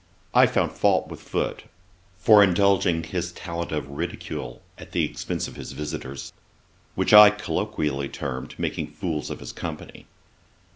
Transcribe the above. I found fault with Foote for indulging his talent of ridicule at the expence of his visitors, which I colloquially termed making fools of his company.